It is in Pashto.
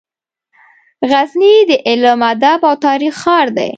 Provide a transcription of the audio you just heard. غزني د علم، ادب او تاریخ ښار دی.